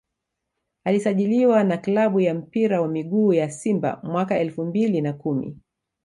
Alisajiliwa na klabu ya mpira wa miguu ya Simba mwaka elfu mbili na kumi